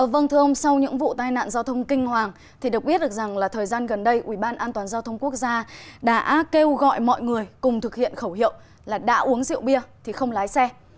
vâng thưa ông sau những vụ tai nạn giao thông kinh hoàng thì được biết được rằng là thời gian gần đây ủy ban an toàn giao thông quốc gia đã kêu gọi mọi người cùng thực hiện khẩu hiệu là đã uống rượu bia thì không lái xe